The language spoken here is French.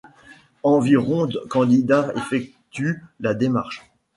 Environ candidats effectuent la démarche.